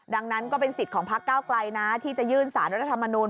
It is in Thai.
ดังนั้นก็เป็นสิทธิ์ของพักเก้าไกลนะที่จะยื่นสารรัฐธรรมนูล